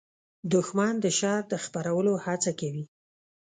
دښمن د شر د خپرولو هڅه کوي